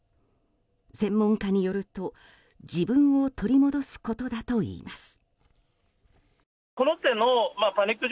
専門家によると自分を取り戻すことだといいます。